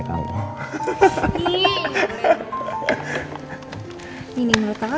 ini menurut kakak gimana